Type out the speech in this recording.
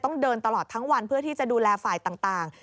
ต้องเดินตลอดทั้งวันเพื่อที่จะดูแลฝ่ายต่าง